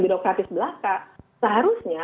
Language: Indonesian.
birokratis belaka seharusnya